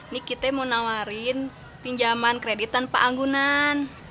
ini kita mau nawarin pinjaman kredit tanpa anggunan